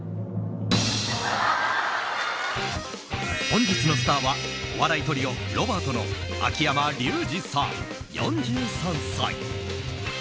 本日のスターはお笑いトリオ・ロバートの秋山竜次さん、４３歳。